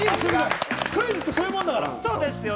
クイズって、そういうものだから。